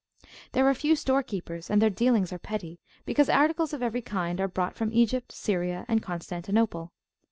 There are few store keepers, and their dealings are petty, because articles of every kind are brought from Egypt, Syria, and Constantinople.